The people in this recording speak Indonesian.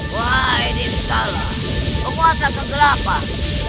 wahai dewi kala penguasa kegelapan